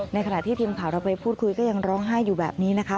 ขณะที่ทีมข่าวเราไปพูดคุยก็ยังร้องไห้อยู่แบบนี้นะคะ